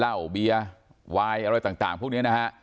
เหล้าเบียร์วายอะไรต่างพวกนี้นะฮะ